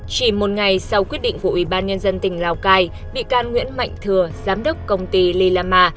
chỉ một ngày sau quyết định của ủy ban nhân dân tỉnh lào cai bị can nguyễn mạnh thừa giám đốc công ty lilama